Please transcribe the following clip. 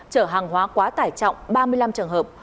chở hàng hóa quá tải trọng ba mươi năm trường hợp